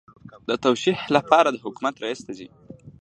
د توشیح لپاره د حکومت رئیس ته ځي.